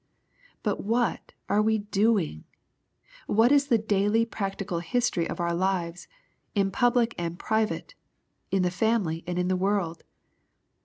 But what are we doing f What is the daily practical history of our lives, in public and private, in the family and in the world